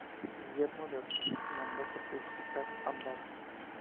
Guillermo de Orange mandó fortificar Amberes.